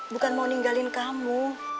bukan mau ninggalin kamu